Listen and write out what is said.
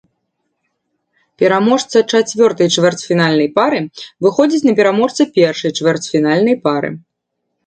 Пераможца чацвёртай чвэрцьфінальнай пары выходзіць на пераможца першай чвэрцьфінальнай пары.